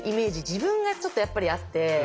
自分がちょっとやっぱりあって。